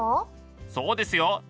そうですよ。